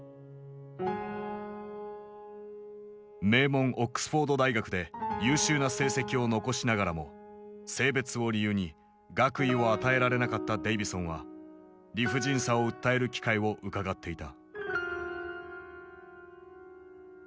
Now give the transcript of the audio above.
名門オックスフォード大学で優秀な成績を残しながらも性別を理由に学位を与えられなかったデイヴィソンは理不尽さを訴える機会をうかがっていた。